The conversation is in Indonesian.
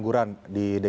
dari foods ladar